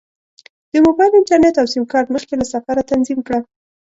د موبایل انټرنیټ او سیم کارت مخکې له سفره تنظیم کړه.